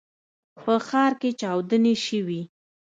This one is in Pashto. په ښار کې چاودنې شوي.